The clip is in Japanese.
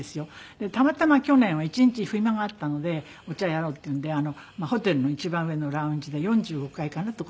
でたまたま去年は１日暇があったので「お茶やろう」って言うんでホテルの一番上のラウンジで４５階かな？